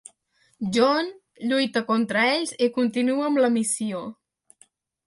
Jon lluita contra ells i continua amb la missió.